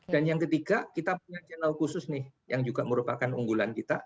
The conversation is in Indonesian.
dan yang ketiga kita punya channel khusus nih yang juga merupakan unggulan kita